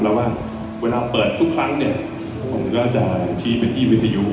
แล้วว่าเวลาเปิดทุกครั้งเนี่ยผมก็จะชี้ไปที่วิทยุ